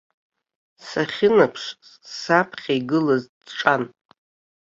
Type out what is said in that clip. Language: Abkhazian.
Сахьынаԥшыз, саԥхьа игылаз дҿан.